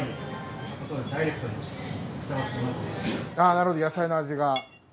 なるほど野菜の味が。